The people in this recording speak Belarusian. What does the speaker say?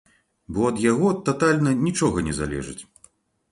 Бо ад яго татальна нічога не залежыць.